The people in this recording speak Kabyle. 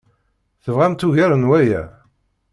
Tebɣamt ugar n waya?